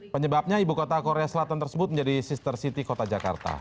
penyebabnya ibu kota korea selatan tersebut menjadi sister city kota jakarta